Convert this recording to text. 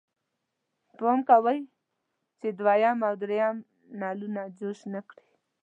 پام وکړئ چې دویم او دریم نلونه جوش نه وي.